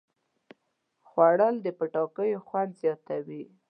خوړل د پټاکیو خوند زیاتوي